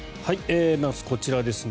まず、こちらですね。